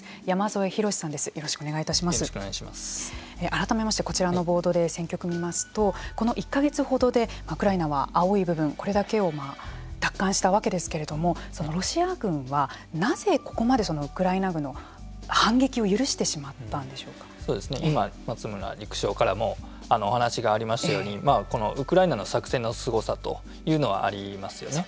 改めまして、こちらのボードで戦局を見ますとこの１か月ほどでウクライナは青い部分これだけを奪還したわけですけれどもそのロシア軍は、なぜここまでウクライナ軍の反撃を今、松村陸将からもお話しがありましたようにこのウクライナの作戦のすごさというのはありますよね。